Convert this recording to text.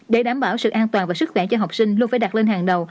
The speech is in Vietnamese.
để đảm bảo sự an toàn và sức khỏe cho học sinh luôn phải đặt lên hàng đầu